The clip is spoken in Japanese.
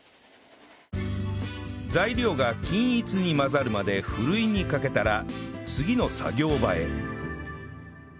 材料が均一に混ざるまでふるいにかけたら次の作業場へ